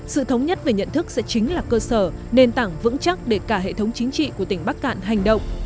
sự thống nhất về nhận thức sẽ chính là cơ sở nền tảng vững chắc để cả hệ thống chính trị của tỉnh bắc cạn hành động